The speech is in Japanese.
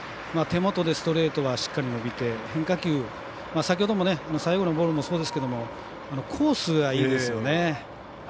手元でストレートはしっかり伸びて、変化球は先ほども最後のボールもそうですけどコースがいいですよね。